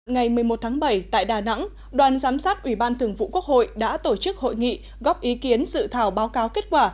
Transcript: ngày một mươi một tháng bảy tại đà nẵng đoàn giám sát ủy ban thường vụ quốc hội đã tổ chức hội nghị góp ý kiến sự thảo báo cáo kết quả